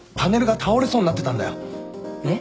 えっ？